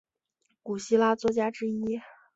古希腊作家之一。